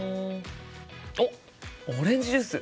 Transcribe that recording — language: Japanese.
あっオレンジジュース！